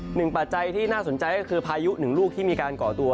ปัจจัยที่น่าสนใจก็คือพายุหนึ่งลูกที่มีการก่อตัว